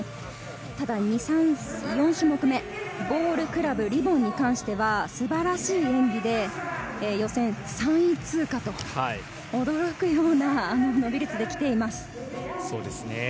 ただ４種目目、ボール、クラブ、リボンに関しては素晴らしい演技で予選３位通過と驚くようなレベルで来ています。